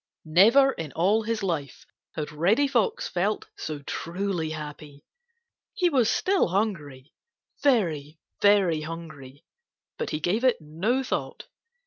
Never in all his life had Reddy Fox felt so truly happy. He was still hungry,—very, very hungry. But he gave it no thought.